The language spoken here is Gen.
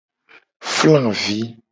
Flavi.